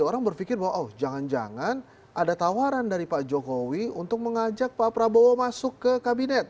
orang berpikir bahwa oh jangan jangan ada tawaran dari pak jokowi untuk mengajak pak prabowo masuk ke kabinet